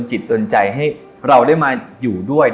จิตโดนใจให้เราได้มาอยู่ด้วย